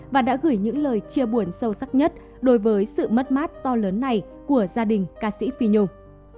và đã gửi những lời chia buồn sâu sắc nhất đối với sự mất mát to lớn này của gia đình ca sĩ phi nhung